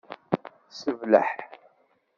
Sebleḥ.